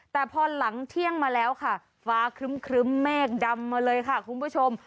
แต่พอหลังเที่ยงมาแล้วค่ะฟ้าครึ้มเมฆดำมาเลยค่ะคุณผู้ชม